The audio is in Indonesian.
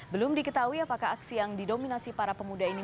belum diketahui apakah aksi yang didominasi para pemuda ini